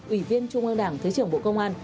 ủy viên trung ương đảng thứ trưởng bộ công an